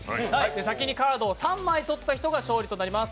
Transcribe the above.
先にカードを３枚取った人が勝利となります。